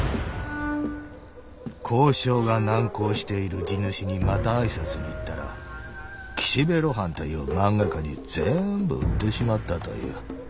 「交渉が難航している地主にまたあいさつに行ったら岸辺露伴という漫画家に全部売ってしまったという。